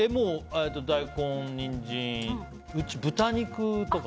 大根、ニンジン、豚肉とか。